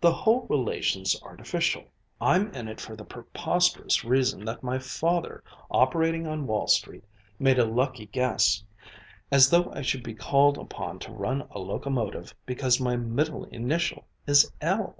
The whole relation's artificial. I'm in it for the preposterous reason that my father, operating on Wall Street, made a lucky guess, as though I should be called upon to run a locomotive because my middle initial is L!"